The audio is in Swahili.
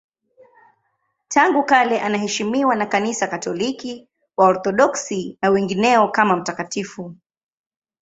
Tangu kale anaheshimiwa na Kanisa Katoliki, Waorthodoksi na wengineo kama mtakatifu.